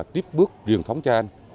tiếp bước truyền thống tra anh